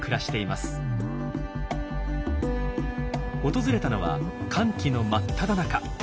訪れたのは乾季の真っただ中。